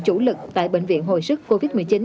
chủ lực tại bệnh viện hồi sức covid một mươi chín